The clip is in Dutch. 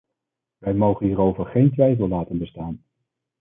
Wij mogen hierover geen twijfel laten bestaan.